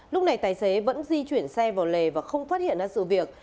lúc này tài xế vẫn di chuyển xe vào lề và không phát hiện ra sự việc